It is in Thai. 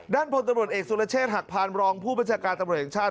พลตำรวจเอกสุรเชษฐหักพานรองผู้บัญชาการตำรวจแห่งชาติ